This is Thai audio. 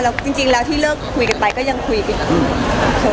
ก็ยังเหมือนเดิมครับค่ะอย่างเรื่อยกัน